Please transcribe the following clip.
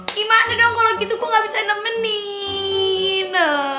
gimana dong kalau gitu gue gak bisa nemenin